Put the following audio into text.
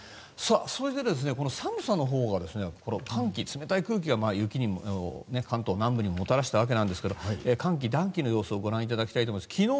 それで、寒さのほうは寒気、冷たい空気が雪を関東南部にももたらしたわけなんですけど寒気、暖気の様子をご覧いただきたいと思います。